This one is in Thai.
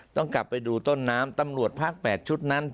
ต้องกลับไปดูต้นน้ำตำรวจภาค๘ชุดนั้น